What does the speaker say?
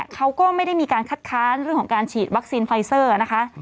เขาก็ไม่ได้มีการคัดค้านเรื่องของการฉีดวัคซีนไฟเซอร์นะคะ